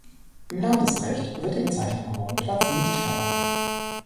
Im Landesrecht wird die Bezeichnung Wohnplatz nicht verwandt.